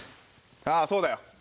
ああそうだよ。